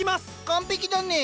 完璧だね。